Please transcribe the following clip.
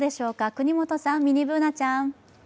國本さん、ミニＢｏｏｎａちゃん。